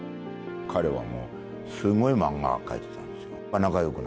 彼はもう、すごい漫画、描いてたんですよ。